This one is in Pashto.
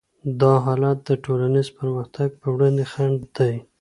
دا حالت د ټولنیز پرمختګ پر وړاندې خنډ دی.